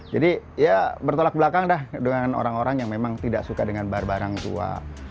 jadi ya bertolak belakang dah dengan orang orang yang memang tidak suka dengan bar barang tua